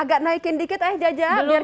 agak naikin dikit ayah jajah biar kita kelihatan